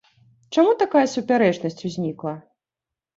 Чаму такая супярэчнасць узнікла?